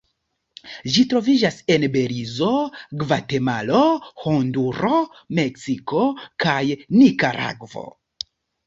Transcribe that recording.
Ĝi troviĝas en Belizo, Gvatemalo, Honduro, Meksiko kaj Nikaragvo.